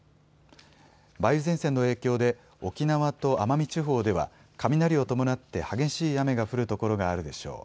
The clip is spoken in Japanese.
梅雨前線の影響で沖縄と奄美地方では雷を伴って激しい雨が降るところがあるでしょう。